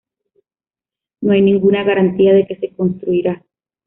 No hay ninguna garantía de que se construirá.